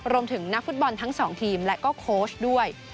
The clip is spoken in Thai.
รวมถึงนักฟุตบอลทั้งสองทีมและก็โค้ชด้วย